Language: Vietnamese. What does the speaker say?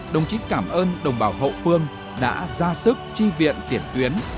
đồng chí cảm ơn đồng bào hậu phương đã ra sức chi viện tiền tuyến